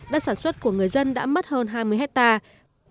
đất sản xuất của người dân đã mất hơn hai mươi hectare